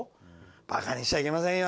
ばかにしちゃいけませんよ